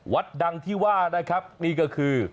วัดดังที่ว่านะครับนี่ก็คือ